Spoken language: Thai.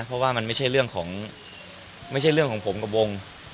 เพราะว่ามันไม่ใช่เรื่องของผมกับวง